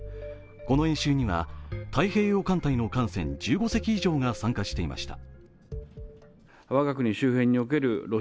この演習には太平洋艦隊の艦船１５隻以上が参加していました。